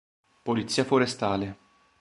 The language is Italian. Polizia forestale